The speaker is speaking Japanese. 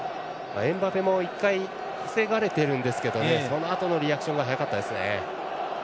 エムバペも、１回防がれてるんですけどねそのあとのリアクションが早かったですね。